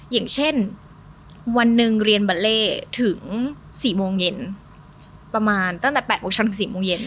อย่างเช่นวันหนึ่งเรียนบาเล่ถึง๔โมงเย็นประมาณตั้งแต่๘โมงเช้าถึง๔โมงเย็น